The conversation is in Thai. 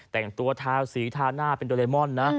แต่งตัวทาสีทาหน้าเป็นโดเรมอนนะ